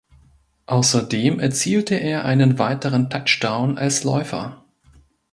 Außerdem erzielte er einen weiteren Touchdown als Läufer.